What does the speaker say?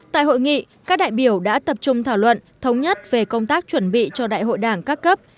tại hội nghị các đại biểu đã tập trung thảo luận thống nhất về công tác chuẩn bị cho đại hội đảng các cấp